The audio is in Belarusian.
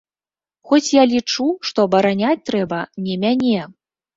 Хоць я лічу, што абараняць трэба не мяне.